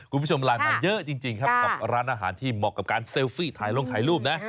คุณผู้ชมไลน์มาเยอะจริงครับกับร้านอาหารที่เหมาะกับการเซลฟี่ถ่ายลงถ่ายรูปนะ